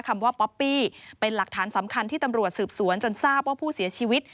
คำว่าป๊อปปี้เป็นหลักฐานสำคัญที่ตำรวจสืบสวนจนทราบว่าผู้เสียชีวิต